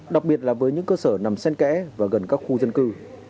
đặc biệt là với những cơ sở nằm sen kẽ và gần các khu dân cư